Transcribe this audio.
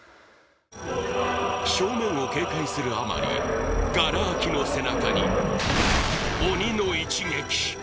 正面を警戒するあまりガラ空きの背中に鬼の一撃